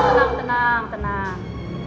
tenang tenang tenang